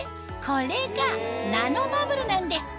これがナノバブルなんです